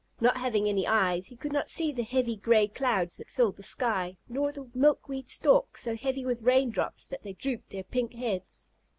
Not having any eyes, he could not see the heavy, gray clouds that filled the sky, nor the milkweed stalks, so heavy with rain drops that they drooped their pink heads.